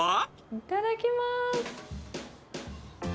いただきます！